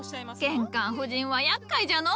玄関夫人はやっかいじゃのう。